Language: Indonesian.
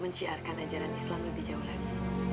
menciarkan ajaran islam lebih jauh lagi